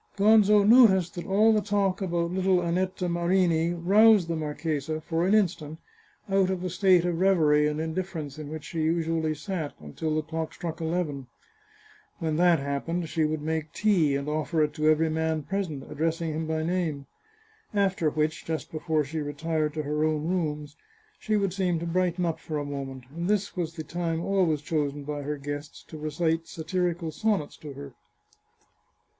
Gonzo noticed that all the talk about little Annetta Marini roused the marchesa, for an instant, out of the state of reverie and indifference in which she usually sat, until the clock struck eleven. When that happened, she would make tea, 520 The Chartreuse of Parma and offer it to every man present, addressing him by name. After which, just before she retired to her own rooms, she would seem to brighten up for a moment, and this was the time always chosen by her guests to recite satirical sonnets to her.